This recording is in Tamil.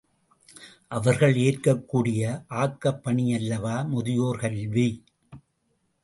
அவர்கள் ஏற்கக் கூடிய ஆக்கப்பணியல்லவா முதியோர் கல்வி!